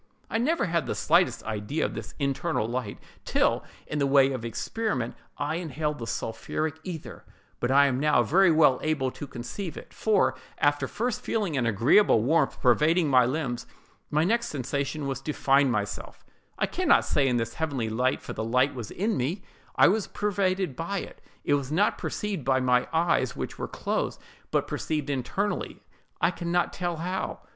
I never had the slightest idea of this internal light, till, in the way of experiment, I inhaled the sulphuric ether; but I am now very well able to conceive it: for, after first feeling an agreeable warmth pervading my limbs, my next sensation was to find myself, I can not say in this heavenly light, for the light was in me—I was pervaded by it: it was not perceived by my eyes, which were closed, but perceived internally, I can not tell how.